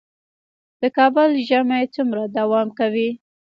د کابل ژمی څومره دوام کوي؟